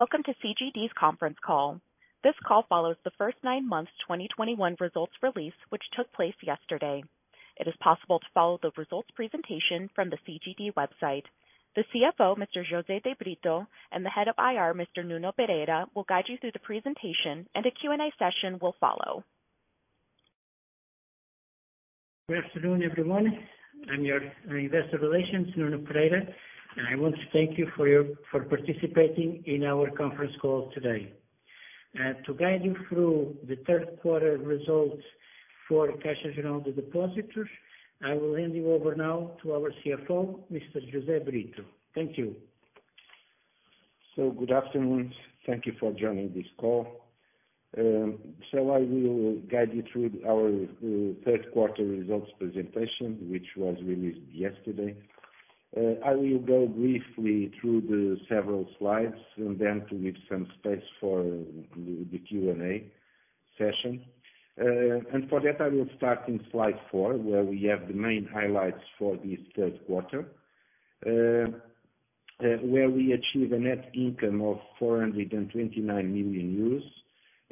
Welcome to CGD's conference call. This call follows the first nine months 2021 results release, which took place yesterday. It is possible to follow the results presentation from the CGD website. The CFO, Mr. José de Brito, and the Head of IR, Mr. Nuno Pereira, will guide you through the presentation. A Q&A session will follow. Good afternoon, everyone. I'm your Investor Relations, Nuno Pereira, and I want to thank you for participating in our conference call today. To guide you through the third quarter results for Caixa Geral de Depósitos, I will hand you over now to our CFO, Maria João Carioca. Thank you. Good afternoon. Thank you for joining this call. I will guide you through our third quarter results presentation, which was released yesterday. I will go briefly through the several slides and then to leave some space for the Q&A session. For that, I will start in slide four, where we have the main highlights for this Q3. Where we achieve a net income of 429 million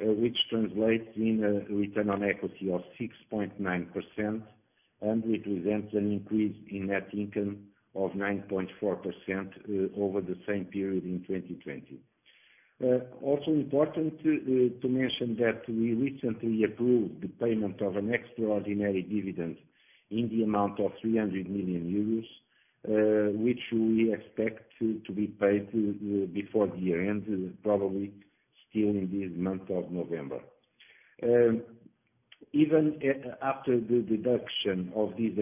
euros, which translates in a return on equity of 6.9% and represents an increase in net income of 9.4% over the same period in 2020. Also important to mention that we recently approved the payment of an extraordinary dividend in the amount of 300 million euros, which we expect to be paid before the year ends, probably still in the month of November. Even after the deduction of this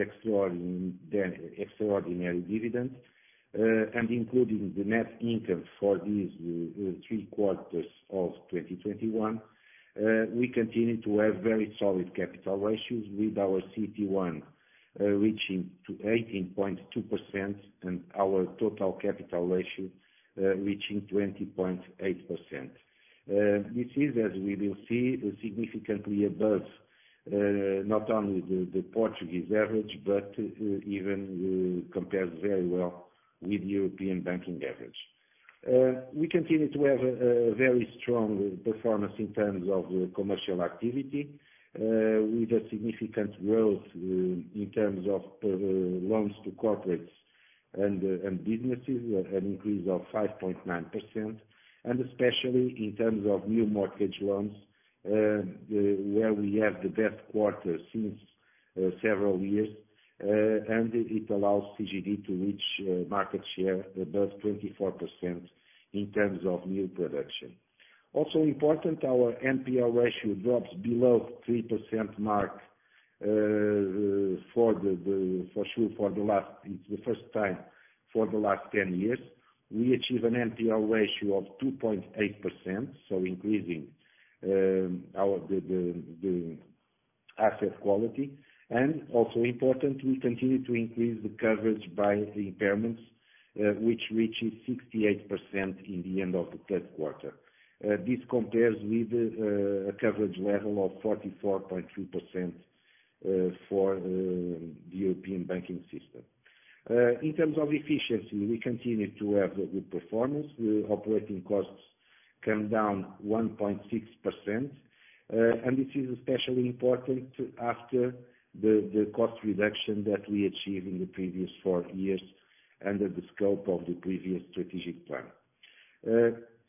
extraordinary dividend, and including the net income for these three quarters of 2021, we continue to have very solid capital ratios with our CET1 reaching to 18.2% and our total capital ratio reaching 20.8%. This is, as we will see, significantly above not only the Portuguese average, but even compares very well with European banking average. We continue to have a very strong performance in terms of commercial activity, with a significant growth in terms of loans to corporates and businesses, an increase of 5.9%. Especially in terms of new mortgage loans, where we have the best quarter since several years. It allows CGD to reach market share above 24% in terms of new production. Also important, our NPL ratio drops below three percent mark. It's the first time for the last 10 years. We achieve an NPL ratio of 2.8%, so increasing the asset quality. Also important, we continue to increase the coverage by the impairments, which reaches 68% in the end of the Q3. This compares with a coverage level of 44.2% for the European banking system. In terms of efficiency, we continue to have a good performance. Operating costs come down 1.6%. This is especially important after the cost reduction that we achieved in the previous four years under the scope of the previous strategic plan.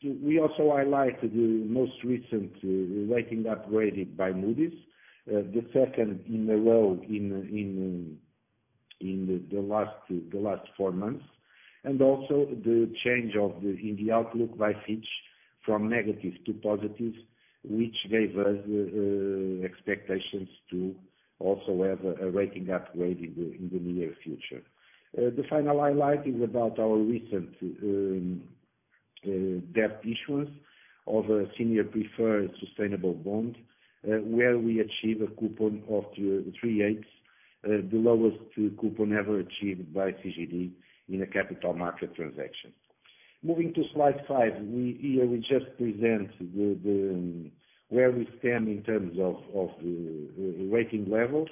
We also highlight the most recent rating upgraded by Moody's, the second in a row in the last four months. Also the change of the outlook by Fitch from negative to positive, which gave us expectations to also have a rating upgrade in the near future. The final highlight is about our recent debt issuance of a senior preferred sustainable bond, where we achieve a coupon of 3/8, the lowest coupon ever achieved by CGD in a capital market transaction. Moving to slide five, we just present where we stand in terms of rating levels.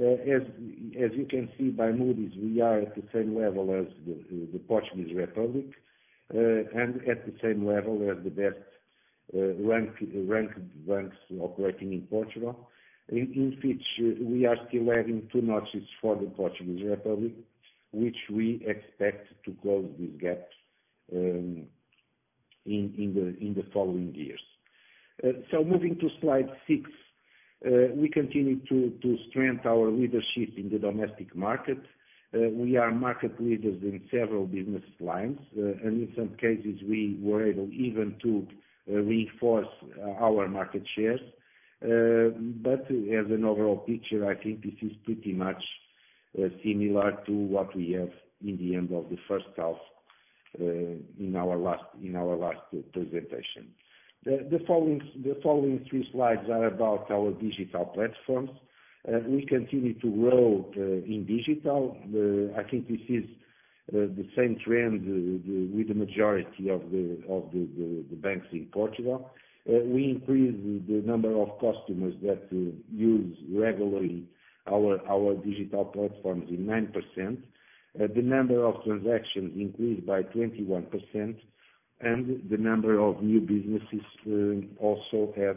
As you can see by Moody's, we are at the same level as the Portuguese Republic, and at the same level as the best ranked banks operating in Portugal. In Fitch, we are still having two notches for the Portuguese Republic, which we expect to close this gap in the following years. Moving to slide six, we continue to strengthen our leadership in the domestic market. We are market leaders in several business lines, and in some cases we were able even to reinforce our market shares. As an overall picture, I think this is pretty much similar to what we have in the end of the first half, in our last presentation. The following three slides are about our digital platforms. We continue to grow in digital. I think this is the same trend with the majority of the banks in Portugal. We increased the number of customers that use regularly our digital platforms in nine percent. The number of transactions increased by 21%. The number of new businesses also have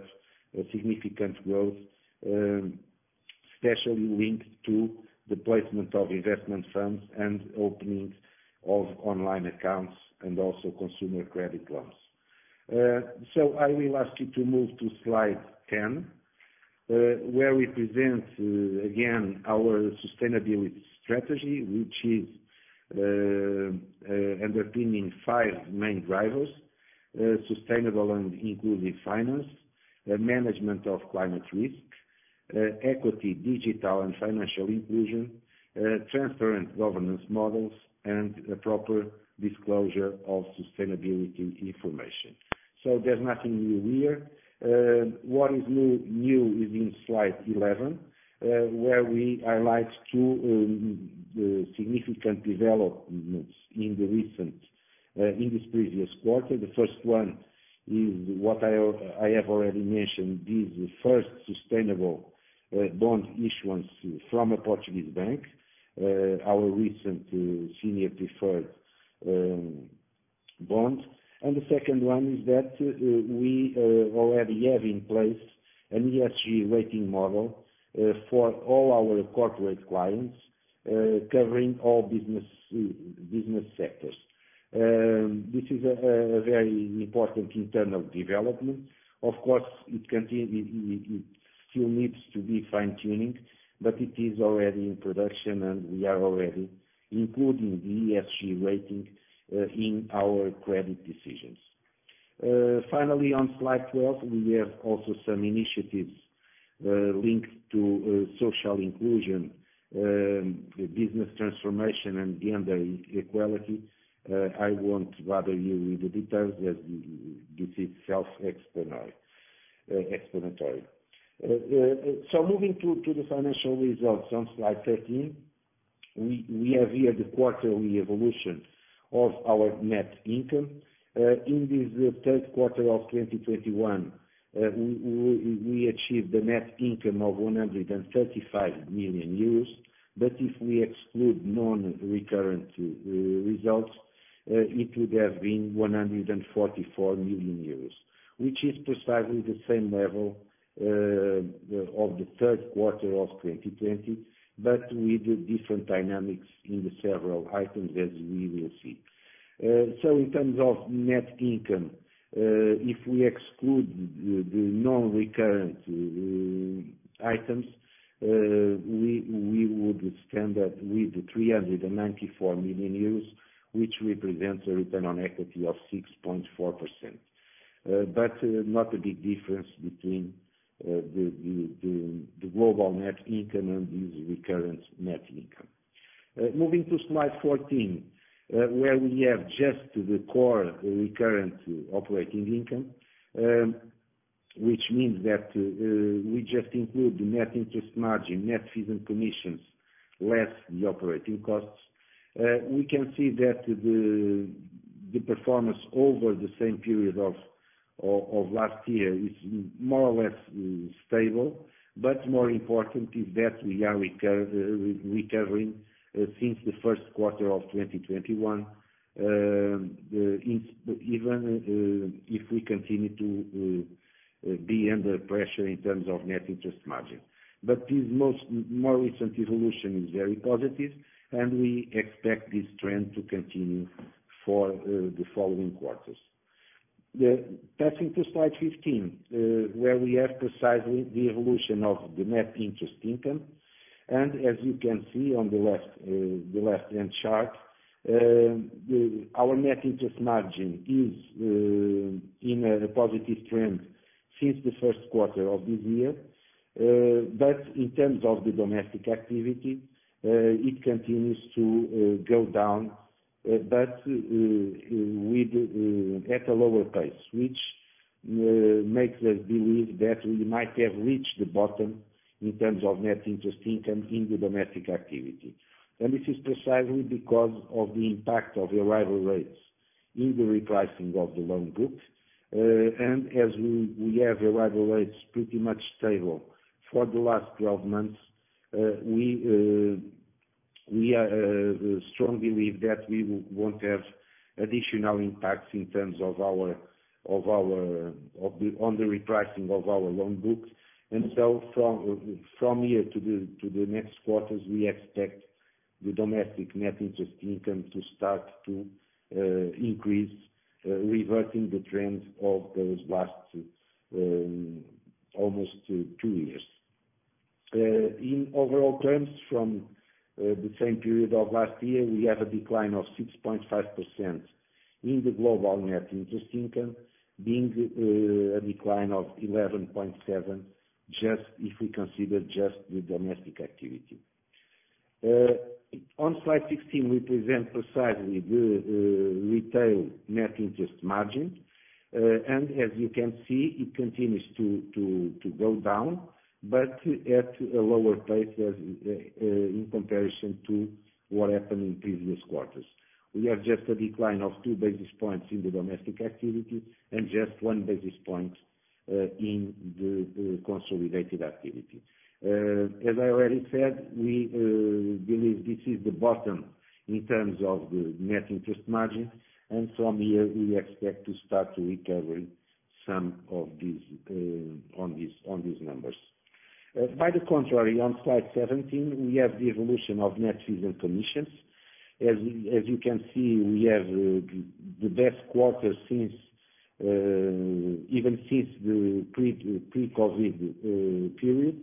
a significant growth, especially linked to the placement of investment funds and openings of online accounts and also consumer credit loans. I will ask you to move to slide 10, where we present again, our sustainability strategy, which is underpinning five main drivers: sustainable and inclusive finance, management of climate risk, equity, digital and financial inclusion, transparent governance models and a proper disclosure of sustainability information. There's nothing new here. What is new is in slide 11, where we highlight two significant developments in this previous quarter. The first one is what I have already mentioned, is the first sustainable bond issuance from a Portuguese bank, our recent senior preferred bond. The second one is that we already have in place an ESG rating model for all our corporate clients, covering all business sectors. This is a very important internal development. Of course, it still needs to be fine-tuning, but it is already in production, and we are already including the ESG rating in our credit decisions. Finally, on slide 12, we have also some initiatives linked to social inclusion, business transformation and gender equality. I won't bother you with the details as this is self-explanatory. Moving to the financial results on slide 13, we have here the quarterly evolution of our net income. In this Q3 of 2021, we achieved a net income of 135 million euros. If we exclude non-recurrent results, it would have been 144 million euros, which is precisely the same level of the Q3 of 2020, but with different dynamics in the several items, as we will see. In terms of net income, if we exclude the non-recurrent items, we would stand up with 394 million euros, which represents a return on equity of 6.4%. Not a big difference between the global net income and this recurrent net income. Moving to slide 14, where we have just the core recurrent operating income, which means that we just include the net interest margin, net fees and commissions, less the operating costs. We can see that the performance over the same period of last year is more or less stable, but more important is that we are recovering since the Q1 of 2021, even if we continue to be under pressure in terms of net interest margin. This more recent evolution is very positive, and we expect this trend to continue for the following quarters. Passing to slide 15, where we have precisely the evolution of the net interest income. As you can see on the left, the left-hand chart, our net interest margin is in a positive trend since the first quarter of this year. In terms of the domestic activity, it continues to go down, with at a lower pace, which makes us believe that we might have reached the bottom in terms of net interest income in the domestic activity. This is precisely because of the impact of the Euribor rates in the repricing of the loan books. As we have Euribor rates pretty much stable for the last 12 months, we strongly believe that we won't have additional impacts on the repricing of our loan books. From here to the next quarters, we expect the domestic net interest income to start to increase, reversing the trends of those last almost two years. In overall terms from the same period of last year, we have a decline of 6.5% in the global net interest income, being a decline of 11.7% if we consider just the domestic activity. On slide 16, we present precisely the retail net interest margin, and as you can see, it continues to go down, but at a lower pace as in comparison to what happened in previous quarters. We have just a decline of two basis points in the domestic activity and just one basis point in the consolidated activity. As I already said, we believe this is the bottom in terms of the net interest margin. From here we expect to start to recover some of these on these numbers. By the contrary, on slide 17, we have the evolution of net fees and commissions. As you can see, we have the best quarter since even since the pre-COVID period.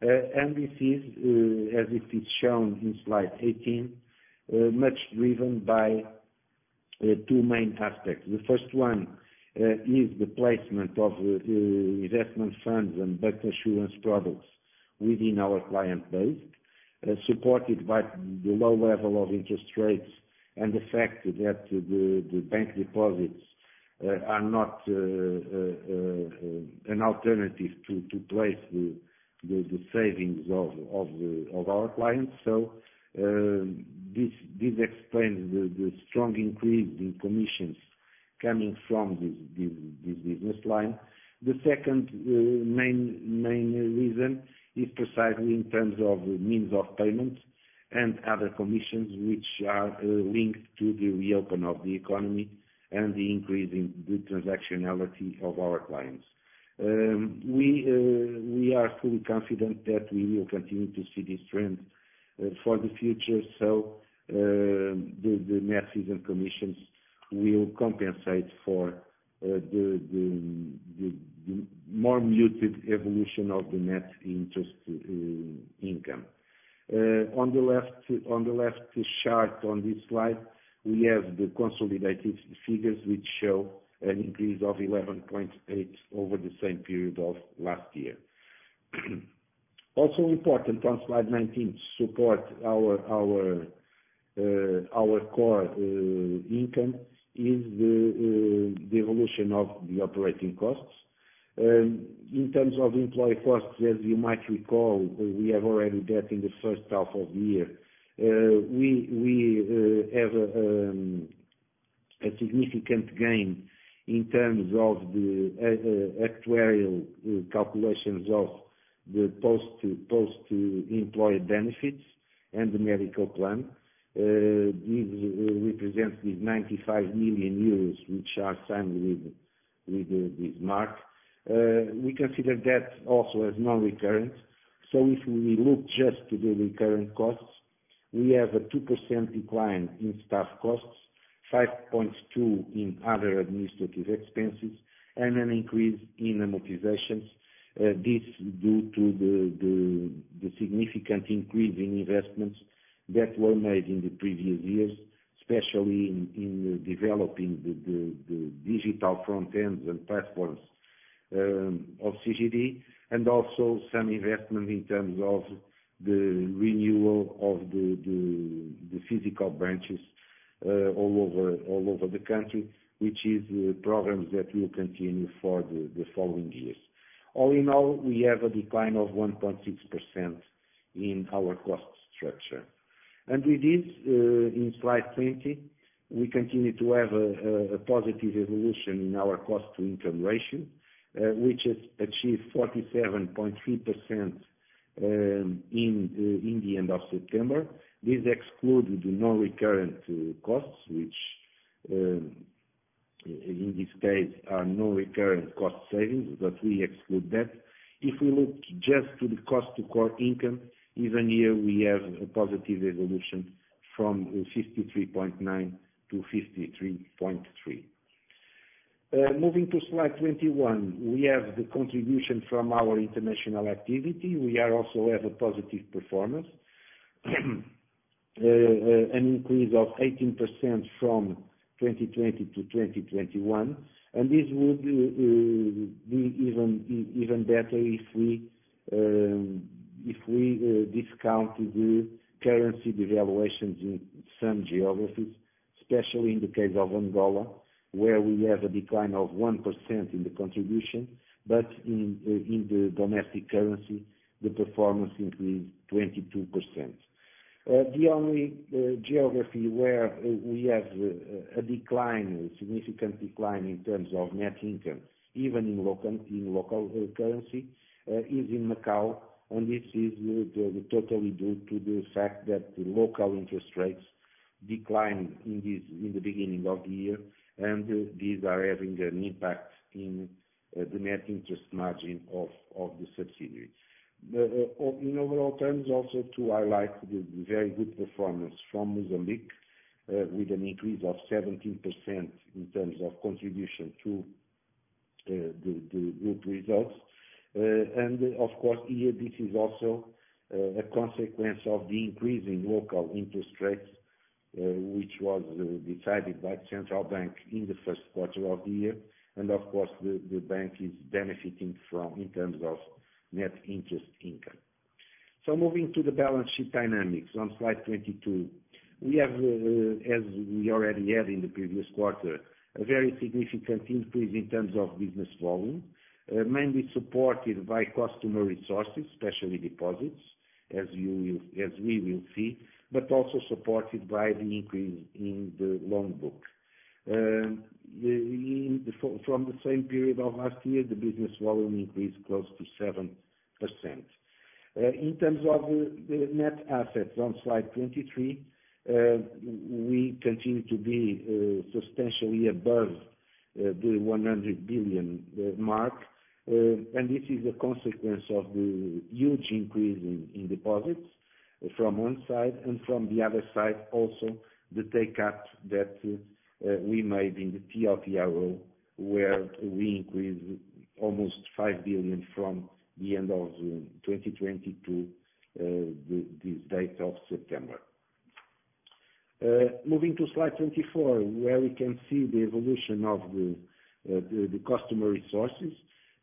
This is as it is shown in slide 18, much driven by two main aspects. The first one is the placement of investment funds and bancassurance products within our client base, supported by the low level of interest rates and the fact that the bank deposits are not an alternative to place the savings of our clients. This explains the strong increase in commissions coming from this business line. The second main reason is precisely in terms of means of payment and other commissions which are linked to the reopen of the economy and the increase in the transactionality of our clients. We are fully confident that we will continue to see this trend for the future. The net fees and commissions will compensate for the more muted evolution of the net interest income. On the left chart on this slide, we have the consolidated figures which show an increase of 11.8% over the same period of last year. Also important, on slide 19, support our core income is the evolution of the operating costs. In terms of employee costs, as you might recall, we have already that in the first half of the year. We have a significant gain in terms of the actuarial calculations of the post employ benefits and the medical plan. This represents these 95 million euros which are signed with this mark. We consider that also as non-recurrent. If we look just to the recurrent costs, we have a two percent decline in staff costs, 5.2 in other administrative expenses, and an increase in amortizations. This due to the significant increase in investments that were made in the previous years, especially in developing the digital front ends and platforms of CGD, and also some investment in terms of the renewal of the physical branches all over the country, which is problems that will continue for the following years. All in all, we have a decline of 1.6% in our cost structure. With this, in slide 20, we continue to have a positive evolution in our cost-to-income ratio, which has achieved 47.3% in the end of September. This excluded the non-recurrent costs which, in this case are non-recurrent cost savings, but we exclude that. If we look just to the cost-to-income, even here we have a positive evolution from 53.9 to 53.3. Moving to slide 21, we have the contribution from our international activity. We also have a positive performance. An increase of 18% from 2020 to 2021, and this would be even better if we if we discount the currency devaluations in some geographies, especially in the case of Angola, where we have a decline of one percent in the contribution, but in the domestic currency, the performance increased 22%. The only geography where we have a decline, a significant decline in terms of net income, even in local, in local currency, is in Macau. This is totally due to the fact that the local interest rates declined in the beginning of the year, and these are having an impact in the net interest margin of the subsidiaries. In overall terms also to highlight the very good performance from Mozambique, with an increase of 17% in terms of contribution to the group results. Of course, here, this is also a consequence of the increase in local interest rates, which was decided by central bank in the first quarter of the year. Of course, the bank is benefiting from in terms of net interest income. Moving to the balance sheet dynamics on slide 22, we have, as we already had in the previous quarter, a very significant increase in terms of business volume, mainly supported by customer resources, especially deposits. As you will see, but also supported by the increase in the loan book. From the same period of last year, the business volume increased close to seven percent. In terms of the net assets on slide 23, we continue to be substantially above the 100 billion mark. And this is a consequence of the huge increase in deposits from one side, and from the other side also the take up that we made in the TLTRO, where we increased almost 5 billion from the end of 2020 to this date of September. Moving to slide 24, where we can see the evolution of the customer resources.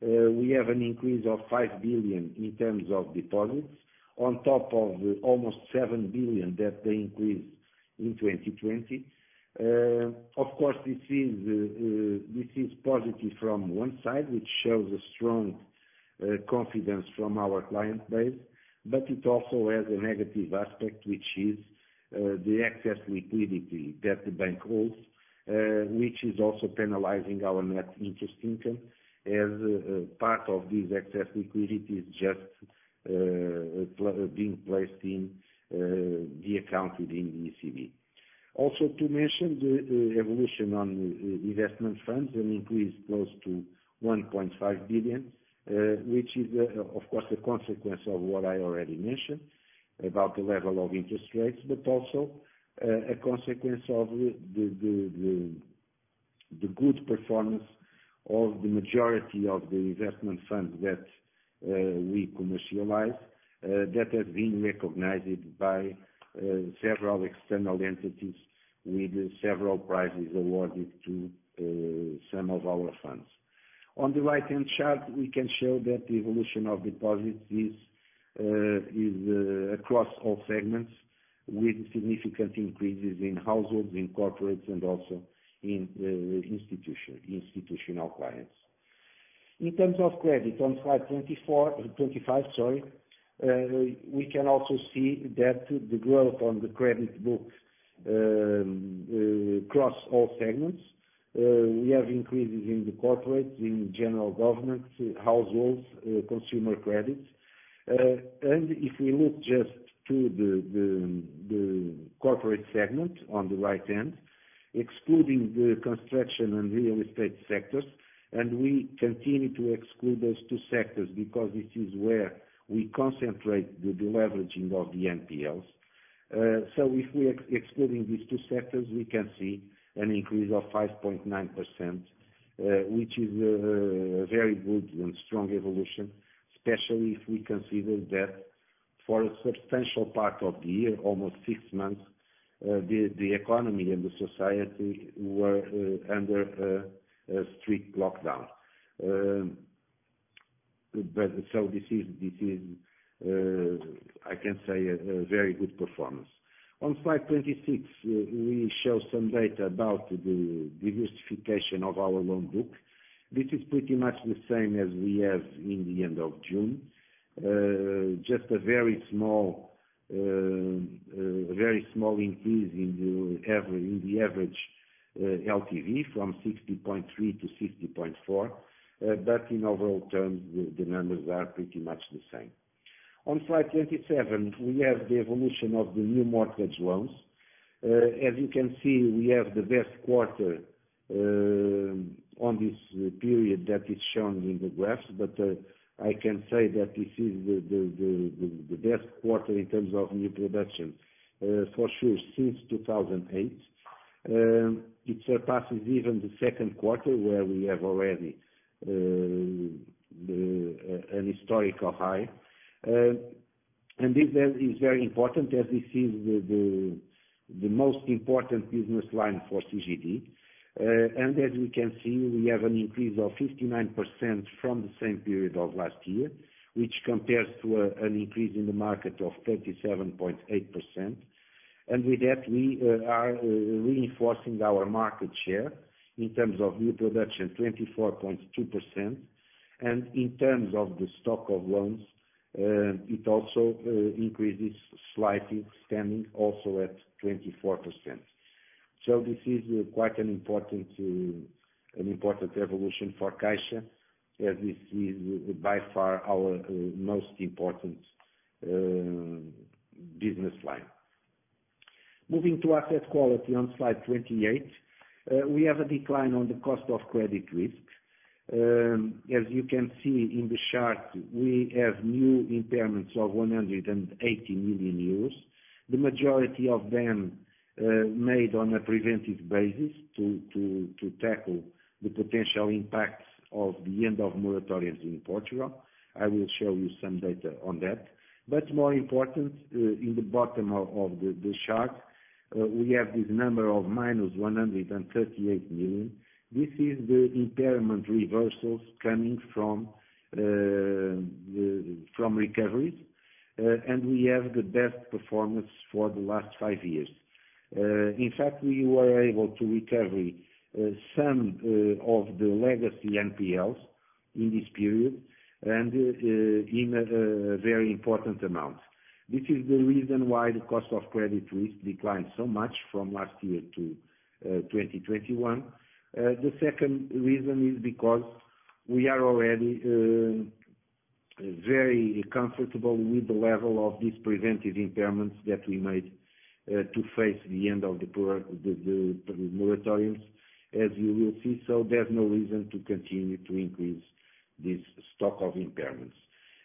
We have an increase of 5 billion in terms of deposits on top of almost 7 billion that they increased in 2020. Of course, this is positive from one side, which shows a strong confidence from our client base, but it also has a negative aspect, which is the excess liquidity that the bank holds, which is also penalizing our net interest income as part of this excess liquidity is just being placed in the account within the ECB. Also to mention the evolution on investment funds, an increase close to 1.5 billion, which is, of course, a consequence of what I already mentioned about the level of interest rates, but also a consequence of the good performance of the majority of the investment funds that we commercialize, that have been recognized by several external entities with several prizes awarded to some of our funds. On the right-hand chart, we can show that the evolution of deposits is across all segments with significant increases in households, in corporates, and also in institutional clients. In terms of credit on slide 24, 25, sorry, we can also see that the growth on the credit book across all segments. We have increases in the corporate, in general government, households, consumer credits. If we look just to the corporate segment on the right end, excluding the construction and real estate sectors, and we continue to exclude those two sectors because this is where we concentrate the deleveraging of the NPLs. If we excluding these two sectors, we can see an increase of 5.9%, which is a very good and strong evolution, especially if we consider that for a substantial part of the year, almost six months, the economy and the society were under a strict lockdown. This is a very good performance. On slide 26, we show some data about the diversification of our loan book. This is pretty much the same as we have in the end of June. Just a very small, very small increase in the average LTV from 60.3 to 60.4. In overall terms, the numbers are pretty much the same. On slide 27, we have the evolution of the new mortgage loans. As you can see, we have the best quarter on this period that is shown in the graphs, I can say that this is the best quarter in terms of new production for sure since 2008. It surpasses even the second quarter where we have already an historical high. This is very important as this is the most important business line for CGD. As we can see, we have an increase of 59% from the same period of last year, which compares to an increase in the market of 37.8%. With that, we are reinforcing our market share in terms of new production 24.2%. In terms of the stock of loans, it also increases slightly, standing also at 24%. This is quite an important, an important evolution for Caixa, as this is by far our most important business line. Moving to asset quality on slide 28, we have a decline on the cost of credit risk. As you can see in the chart, we have new impairments of 180 million euros. The majority of them, made on a preventive basis to tackle the potential impacts of the end of moratorium in Portugal. I will show you some data on that. More important, in the bottom of the chart, we have this number of minus 138 million. This is the impairment reversals coming from recoveries. We have the best performance for the last five years. In fact, we were able to recover some of the legacy NPLs in this period and in a very important amount. This is the reason why the cost of credit risk declined so much from last year to 2021. The second reason is because we are already very comfortable with the level of these preventive impairments that we made to face the end of the moratoriums, as you will see. There's no reason to continue to increase this stock of impairments.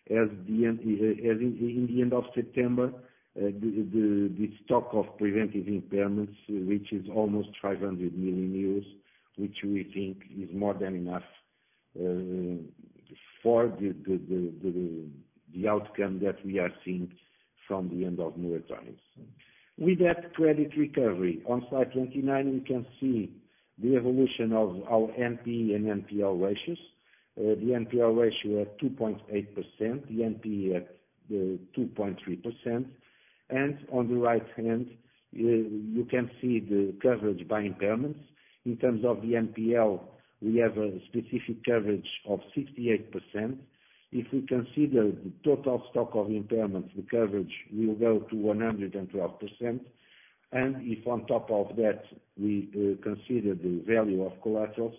In the end of September, the stock of preventive impairments, which is almost 500 million euros, which we think is more than enough for the outcome that we are seeing from the end of moratoriums. With that credit recovery on slide 29, we can see the evolution of our NPE and NPL ratios. The NPL ratio at 2.8%, the NPE at 2.3%. On the right hand, you can see the coverage by impairments. In terms of the NPL, we have a specific coverage of 68%. If we consider the total stock of impairments, the coverage will go to 112%. If on top of that we consider the value of collaterals,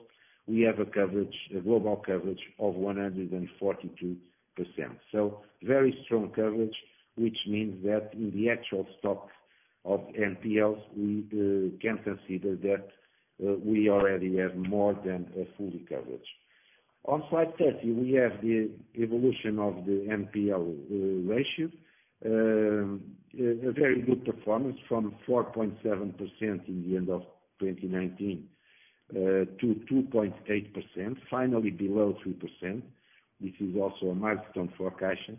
we have a coverage, a global coverage of 142%. Very strong coverage, which means that in the actual stock of NPLs, we can consider that we already have more than a fully coverage. On slide 30, we have the evolution of the NPL ratio. A very good performance from 4.7% in the end of 2019 to 2.8%, finally below 3%, which is also a milestone for Caixa.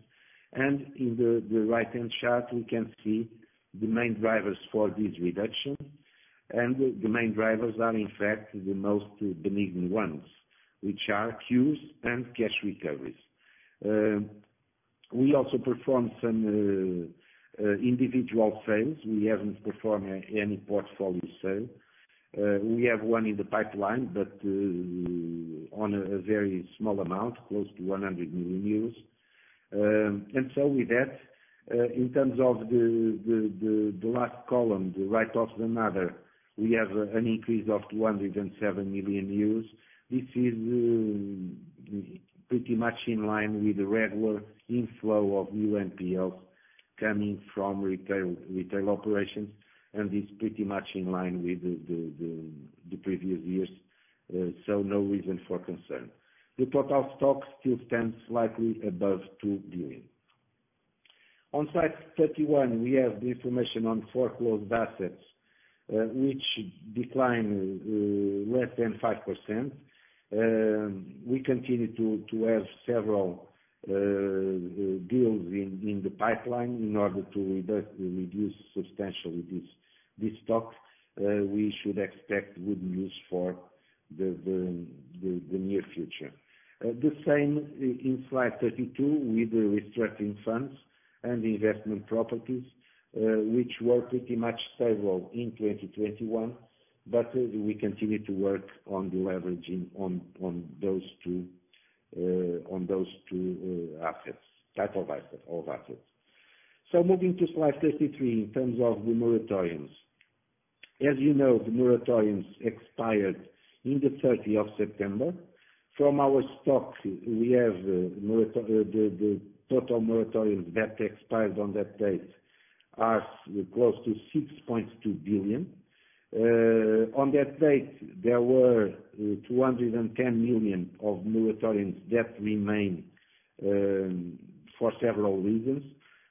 In the right-hand chart, we can see the main drivers for this reduction. The main drivers are, in fact, the most benign ones, which are queues and cash recoveries. We also performed some individual sales. We haven't performed any portfolio sale. We have one in the pipeline, but on a very small amount, close to 100 million euros. With that, in terms of the last column, the write-off, we have an increase of 207 million. This is pretty much in line with the regular inflow of new NPL coming from retail operations, and it's pretty much in line with the previous years, so no reason for concern. The total stock still stands slightly above 2 billion. On slide 31, we have the information on foreclosed assets, which declined less than five percent. We continue to have several deals in the pipeline in order to reduce substantially this stock. We should expect good news for the near future. The same in slide 32 with the restructuring funds and investment properties, which were pretty much stable in 2021, but we continue to work on the leveraging on those two assets, type of assets or assets. Moving to slide 33 in terms of the moratoriums. As you know, the moratoriums expired in the 30 of September. From our stock, we have the total moratoriums that expired on that date are close to 6.2 billion. On that date, there were 210 million of moratoriums that remained, for several reasons,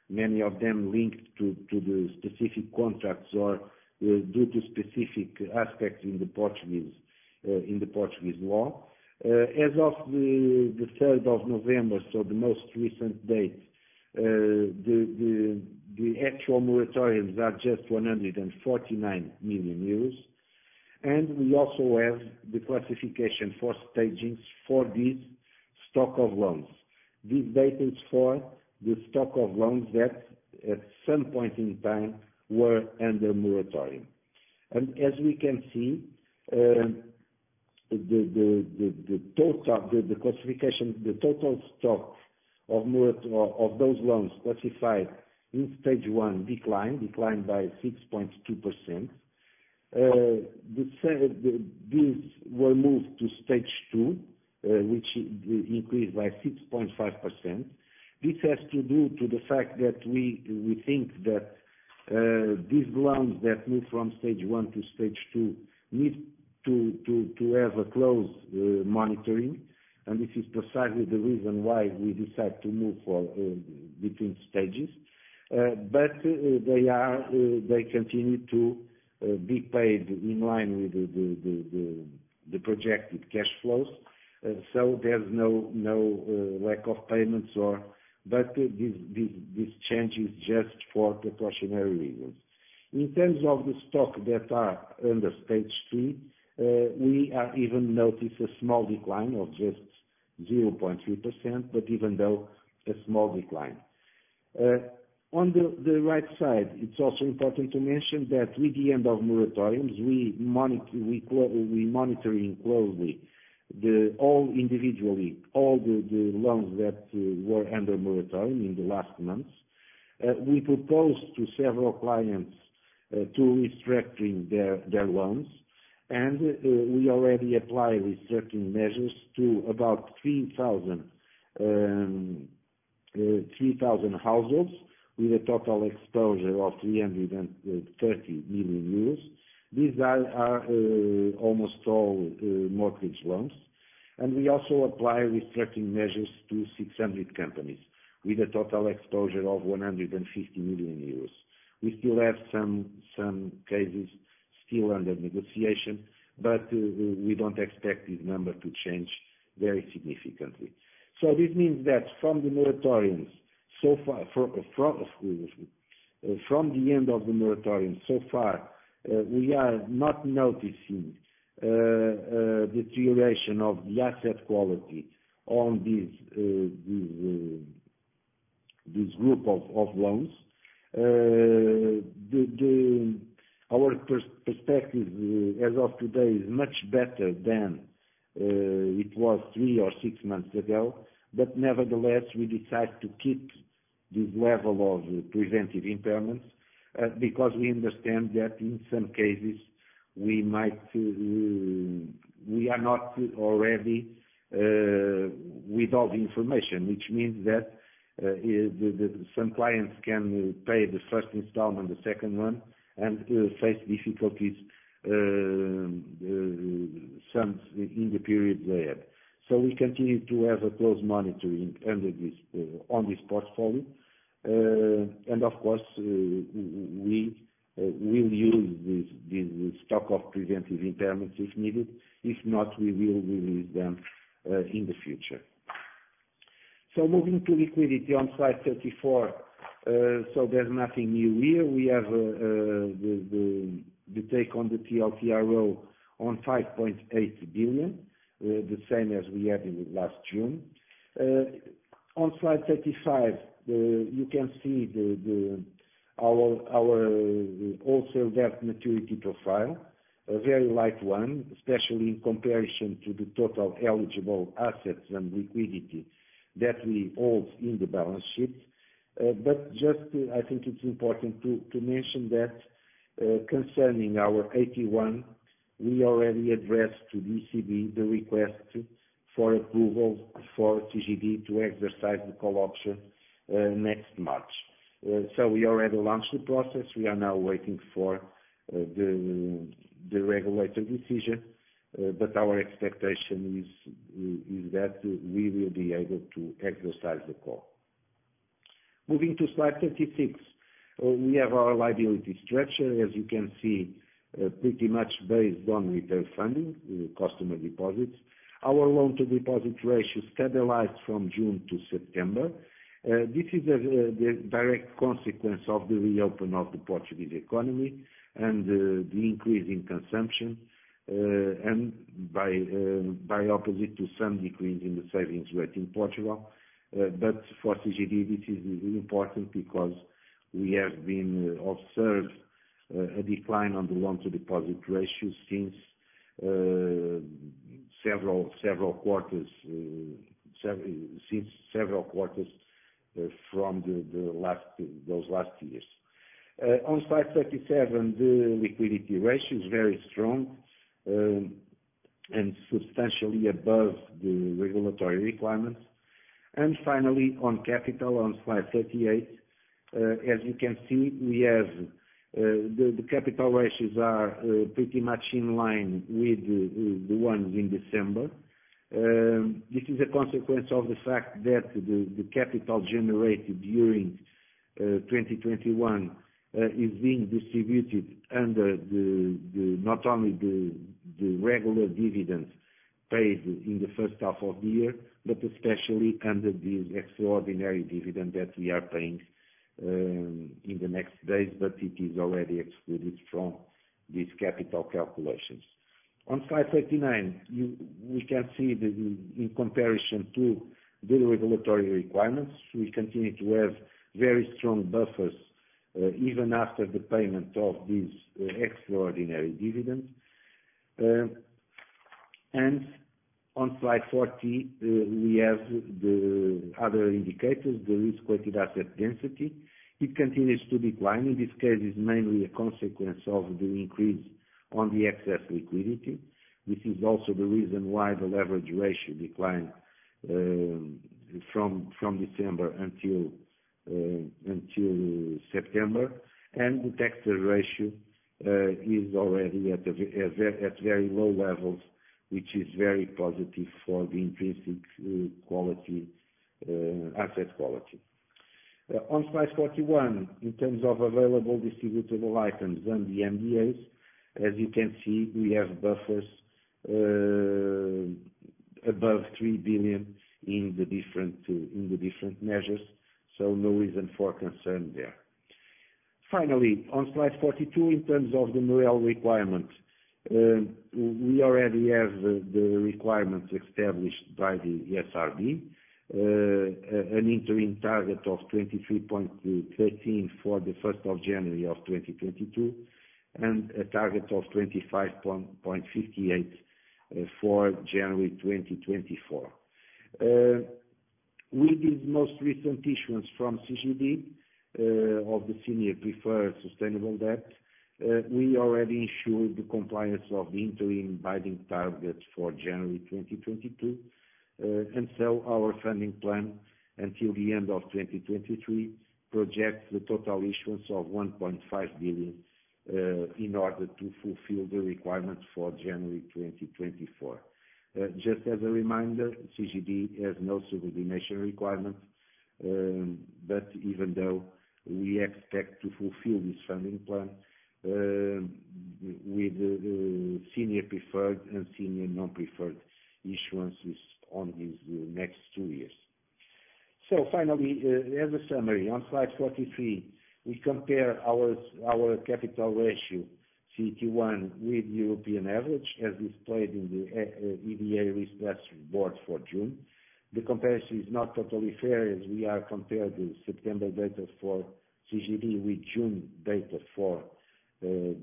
many of them linked to the specific contracts or, due to specific aspects in the Portuguese, in the Portuguese law. As of the third of November, so the most recent date, the actual moratoriums are just 149 million euros. We also have the classification for stagings for these stock of loans. These data is for the stock of loans that at some point in time were under moratorium. As we can see, the total classification, the total stock of those loans classified in stage one declined by 6.2%. These were moved to stage two, which increased by 6.5%. This has to do to the fact that we think that, these loans that move from stage one to stage two need to have a close monitoring. This is precisely the reason why we decide to move for between stages. They are, they continue to be paid in line with the projected cash flows. There's no lack of payments. This change is just for precautionary reasons. In terms of the stock that are under stage two, we are even notice a small decline of just 0.2%, but even though a small decline. On the right side, it's also important to mention that with the end of moratoriums, we monitoring closely all individually, all the loans that were under moratorium in the last months. We proposed to several clients to restructuring their loans, and we already apply restructuring measures to about 3,000 households with a total exposure of 330 million euros. These are almost all mortgage loans. We also apply restructuring measures to 600 companies with a total exposure of 150 million euros. We still have some cases still under negotiation, but we don't expect this number to change very significantly. This means that from the moratoriums so far, from the end of the moratorium so far, we are not noticing deterioration of the asset quality on this group of loans. Our perspective as of today is much better than it was three or six months ago. Nevertheless, we decide to keep this level of preventive impairments because we understand that in some cases, we might, we are not already with all the information. Which means that some clients can pay the first installment, the second one, and face difficulties some in the period they have. We continue to have a close monitoring under this, on this portfolio. And of course, we will use this stock of preventive impairments if needed. If not, we will release them in the future. Moving to liquidity on slide 34. There's nothing new here. We have the take on the TLTRO on 5.8 billion, the same as we had in last June. On slide 35, you can see the our also that maturity profile, a very light one, especially in comparison to the total eligible assets and liquidity that we hold in the balance sheet. But just, I think it's important to mention that, concerning our AT1, we already addressed to ECB the request for approval for CGD to exercise the call option next March. We already launched the process. We are now waiting for the regulatory decision, but our expectation is that we will be able to exercise the call. Moving to slide 36. We have our liability structure, as you can see, pretty much based on retail funding, customer deposits. Our loan-to-deposit ratio stabilized from June to September. This is a direct consequence of the reopen of the Portuguese economy and the increase in consumption, and by opposite to some decrease in the savings rate in Portugal. For CGD, this is really important because we have been observed a decline on the loan-to-deposit ratio since several quarters from the last, those last years. On slide 37, the liquidity ratio is very strong, substantially above the regulatory requirements. Finally, on capital on slide 38, as you can see, we have the capital ratios are pretty much in line with the ones in December. This is a consequence of the fact that the capital generated during 2021 is being distributed under the not only the regular dividends paid in the first half of the year, but especially under this extraordinary dividend that we are paying in the next days, but it is already excluded from these capital calculations. On slide 39, we can see in comparison to the regulatory requirements, we continue to have very strong buffers, even after the payment of this extraordinary dividend. On slide 40, we have the other indicators, the risk-weighted asset density. It continues to decline. In this case, it's mainly a consequence of the increase on the excess liquidity, which is also the reason why the leverage ratio declined from December until September. The tax ratio is already at very low levels, which is very positive for the intrinsic quality asset quality. On slide 41, in terms of available distributable items and the MDAs, as you can see, we have buffers above 3 billion in the different measures, so no reason for concern there. Finally, on slide 42, in terms of the MREL requirement, we already have the requirements established by the SRB. An interim target of 23.13% for January 1st 2022, and a target of 25.58% for January 2024. With this most recent issuance from CGD of the Senior Preferred Sustainable debt, we already ensured the compliance of the interim binding target for January 2022. Our funding plan until the end of 2023 projects the total issuance of 1.5 billion in order to fulfill the requirements for January 2024. Just as a reminder, CGD has no subordination requirements, but even though we expect to fulfill this funding plan with Senior Preferred and senior non-preferred issuances on these next two years. Finally, as a summary on slide 43, we compare our capital ratio CET1 with European average as displayed in the EBA risk reports for June. The comparison is not totally fair as we are compared with September data for CGD, with June data for the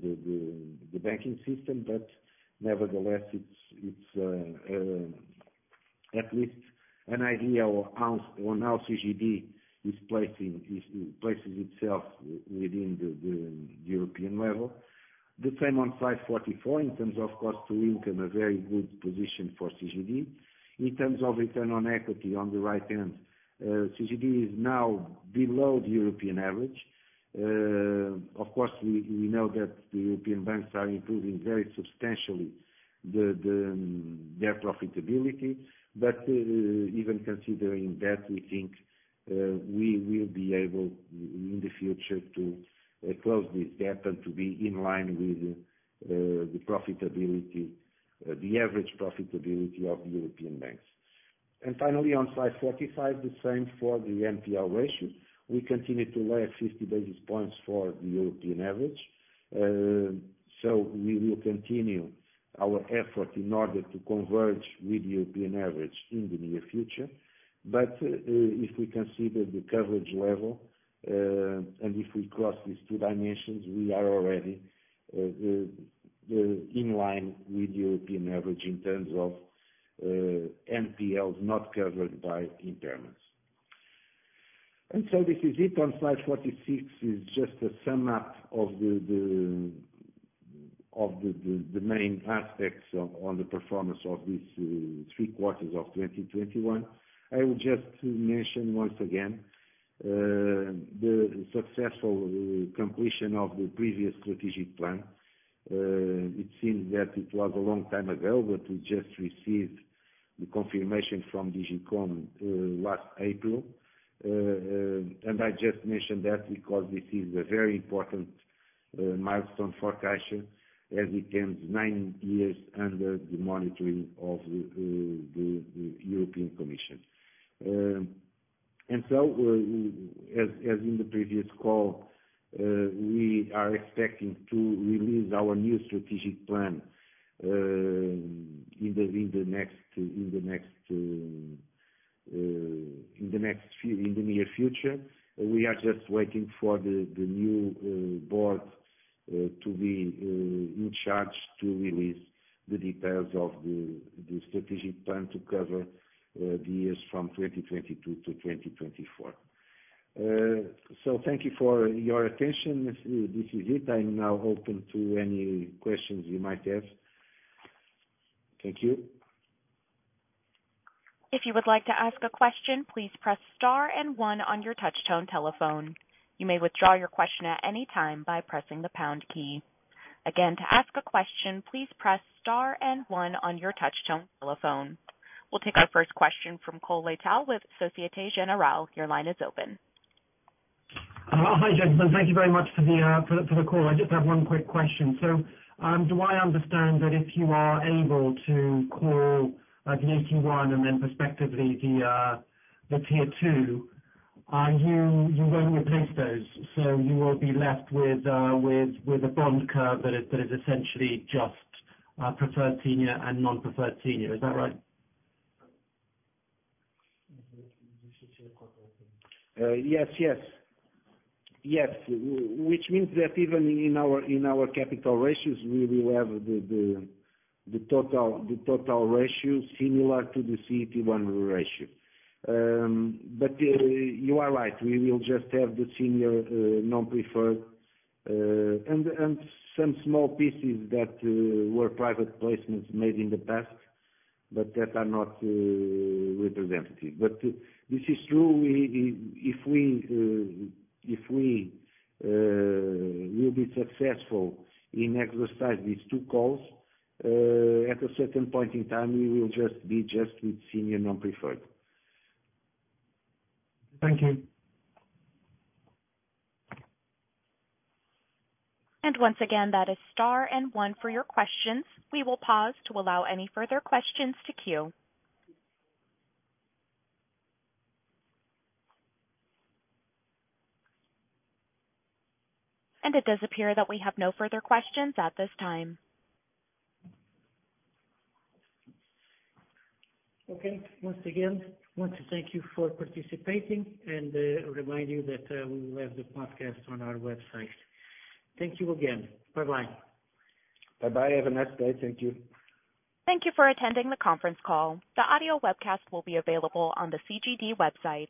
banking system. Nevertheless, it's at least an idea of how CGD places itself within the European level. The same on slide 44, in terms of cost-to-income, a very good position for CGD. In terms of return on equity on the right hand, CGD is now below the European average. Of course, we know that the European banks are improving very substantially the profitability. Even considering that, we think we will be able in the future to close this gap and to be in line with the profitability, the average profitability of European banks. Finally on slide 45, the same for the NPL ratio. We continue to lag 50 basis points for the European average. We will continue our effort in order to converge with European average in the near future. If we consider the coverage level, and if we cross these two dimensions, we are already in line with European average in terms of NPLs not covered by impairments. This is it. On slide 46 is just a sum up of the main aspects on the performance of these three quarters of 2021. I will just mention once again, the successful completion of the previous strategic plan. It seems that it was a long time ago, but we just received the confirmation from DG COMP last April. I just mentioned that because this is a very important milestone for Caixa as it ends nine years under the monitoring of the European Commission. As in the previous call, we are expecting to release our new strategic plan in the near future. We are just waiting for the new board to be in charge to release the details of the strategic plan to cover the years from 2022 to 2024. Thank you for your attention. This is it. I am now open to any questions you might have. Thank you. We'll take our first question from Cole Latal with Société Générale. Your line is open. Hi, gentlemen. Thank you very much for the call. I just have one quick question. Do I understand that if you are able to call the CET1 and then perspectively the tier two, you won't replace those? You will be left with a bond curve that is essentially just preferred senior and non-preferred senior. Is that right? Yes. Which means that even in our capital ratios, we will have the total ratio similar to the CET1 ratio. You are right. We will just have the senior non-preferred and some small pieces that were private placements made in the past, but that are not representative. This is true. We, if we will be successful in exercise these two calls at a certain point in time, we will just be just with senior non-preferred. Thank you. And once again, that is star and one for your questions. We will pause to allow any further questions to queue. And it does appear that we have no further questions at this time. Okay. Once again, want to thank you for participating and remind you that we will have the podcast on our website. Thank you again. Bye-bye. Bye-bye. Have a nice day. Thank you. Thank you for attending the conference call. The audio webcast will be available on the CGD website.